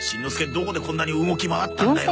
どこでこんなに動き回ったんだよ？